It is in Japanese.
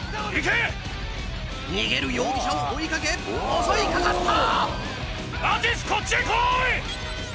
逃げる容疑者を追い掛け襲い掛かった！